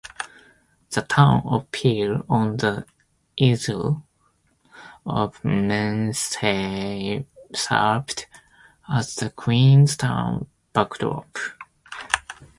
The town of Peel on the Isle of Man served as the Queenstown backdrop.